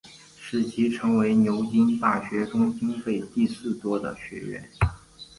使其成为牛津大学中经费第四多的学院。